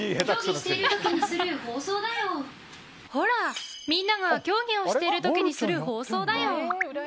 ほらみんなが競技をしている時にする放送だよ。